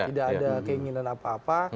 tidak ada keinginan apa apa